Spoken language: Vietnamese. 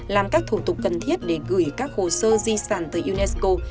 làm các thủ tục cần thiết để gửi các hồ sơ di sản tới unesco